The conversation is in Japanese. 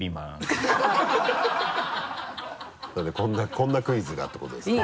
こんなクイズがってことですか？